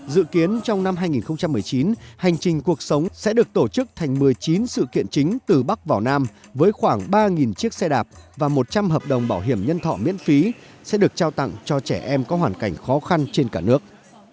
dự kiến trong năm hai nghìn một mươi chín hành trình cuộc sống sẽ được tổ chức thành một mươi chín sự kiện chính từ bắc vào nam với khoảng ba chiếc xe đạp và một trăm linh hợp đồng bảo hiểm nhân thọ miễn phí sẽ được trao tặng cho trẻ em có hoàn cảnh khó khăn trên cả nước